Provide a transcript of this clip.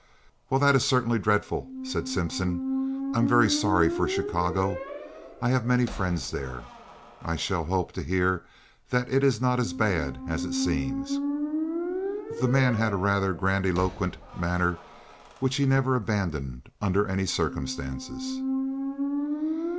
"Well, that is certainly dreadful," said Simpson. "I'm very sorry for Chicago. I have many friends there. I shall hope to hear that it is not so bad as it seems." The man had a rather grandiloquent manner which he never abandoned under any circumstances.